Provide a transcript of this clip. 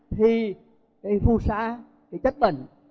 thì cái phu xa cái chất bẩn